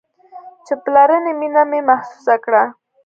چې پلرنۍ مينه مې محسوسه كړه.